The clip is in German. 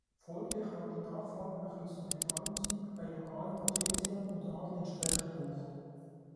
Folglich war die Nachfrage nach Instrumentalmusik bei lokalen Patriziern und Adel entsprechend hoch.